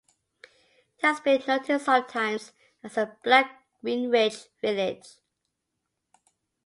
It has been noted sometimes as the black Greenwich Village.